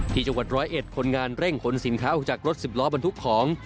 ที่จังหวัดร้อยเอ็ดคนงานเร่งขนสินค้าออกจากรถสิบล้อบรรทุกของ